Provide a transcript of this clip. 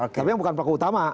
tapi yang bukan pelaku utama